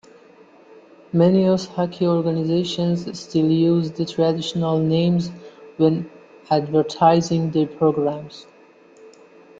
Many youth hockey organizations still use the traditional names when advertising their programs.